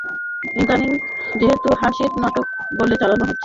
ইদানীং যেগুলো হাসির নাটক বলে চালানো হচ্ছে, সেগুলো ভাঁড়ামিকেও অতিক্রম করে গেছে।